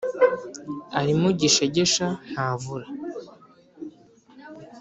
“arimo gishegesha ntavura“